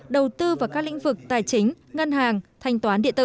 đầu tư vào các lĩnh vực tài chính ngân hàng thanh toán địa tử